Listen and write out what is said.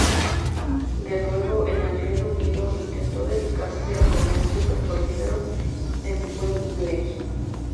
De nuevo en el Reino Unido, intentó dedicarse al comercio petrolífero en Wembley.